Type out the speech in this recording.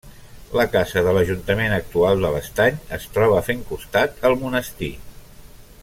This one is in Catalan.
La casa de l'ajuntament actual de l'Estany es troba fent costat al monestir.